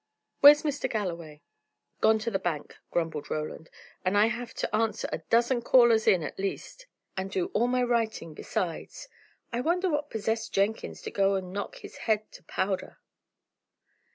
"Where's Mr. Galloway?" "Gone to the bank," grumbled Roland. "And I have had to answer a dozen callers in at least, and do all my writing besides. I wonder what possessed Jenkins to go and knock his head to powder?"